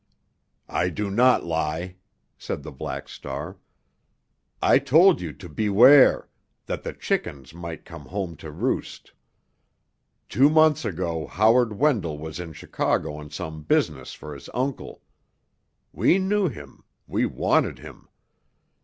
"I do not lie," said the Black Star. "I told you to beware, that the chickens might come home to roost. Two months ago Howard Wendell was in Chicago on some business for his uncle. We knew him—we wanted him.